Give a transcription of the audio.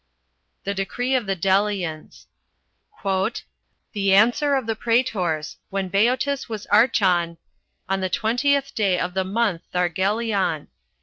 The decree of the Delians. "The answer of the praetors, when Beotus was archon, on the twentieth day of the month Thargeleon.